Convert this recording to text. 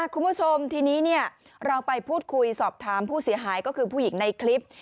คุณผู้ชมทีนี้เราไปพูดคุยสอบถามผู้เสียหายก็คือผู้หญิงในคลิป